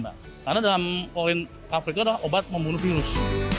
karena dalam olin kapri itu adalah obat membunuh virus